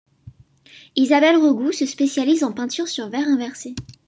Isabelle Regout se spécialise en peinture sur verre inversé.